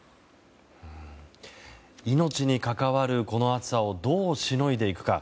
命に関わるこの暑さをどうしのいでいくか。